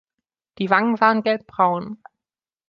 Die Wangen waren gelbbraun.